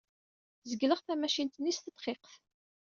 Zegleɣ tamacint-nni s tedqiqt.